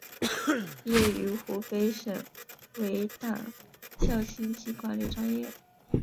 毕业于湖北省委党校经济管理专业。